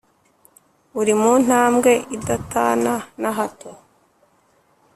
Uri mu ntambwe idatana na hato